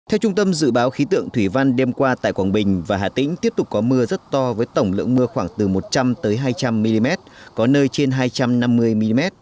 theo trung tâm dự báo khí tượng thủy văn đêm qua tại quảng bình và hà tĩnh tiếp tục có mưa rất to với tổng lượng mưa khoảng từ một trăm linh hai trăm linh mm có nơi trên hai trăm năm mươi mm